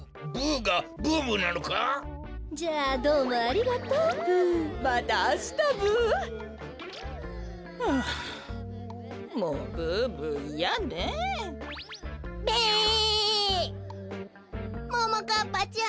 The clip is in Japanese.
ももかっぱちゃん